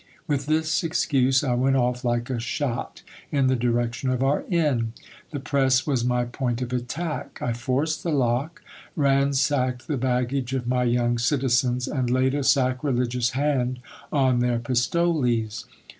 With this excuse, I went off like a shot, in the direction of our inn. The press was my point of attack — I forced the lock, ransacked the baggage of my young citizens, and laid a sacrilegious hand on their pistoles.